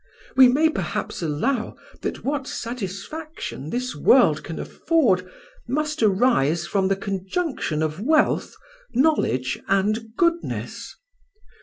We may perhaps allow that what satisfaction this world can afford must arise from the conjunction of wealth, knowledge, and goodness.